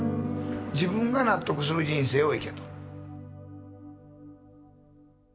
自分が納得する人生を行けと。